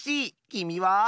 きみは？